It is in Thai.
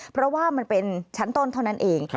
เพราะว่ามันเป็นชั้นต้นเท่านั้นเอง